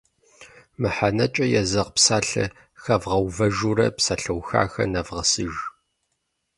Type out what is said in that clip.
Мыхьэнэкӏэ езэгъ псалъэ хэвгъэувэжурэ псалъэухахэр нэвгъэсыж.